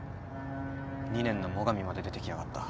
２年の最上まで出てきやがった。